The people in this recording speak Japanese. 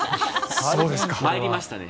まいりましたね。